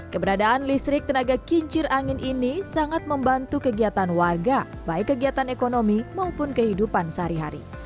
keberadaan listrik tenaga kincir angin ini sangat membantu kegiatan warga baik kegiatan ekonomi maupun kehidupan sehari hari